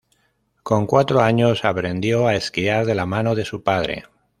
Con cuatro años aprendió a esquiar de la mano de su padre.